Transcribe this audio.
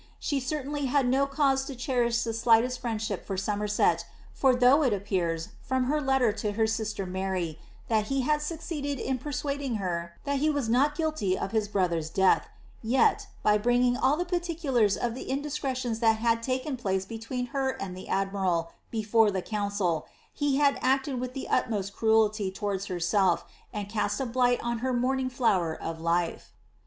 She certainly had no cause to cherish the slightest friendship for Somerset, for though it appears, from her letter to her sif ter Mary, that he had succeeded in persuading her that he was not guilty of his brother's death, yet, by bringing all the particulars of the indiii creiioiis that had taken place between her and the admiral before th6 council, he had acted with the utmost cruelty towards henielf, and caat a blight on her morning flower of life.